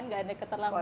nggak ada keterlambatan